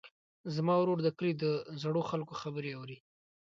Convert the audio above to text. زما ورور د کلي د زړو خلکو خبرې اوري.